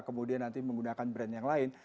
kemudian nanti menggunakan brand yang lain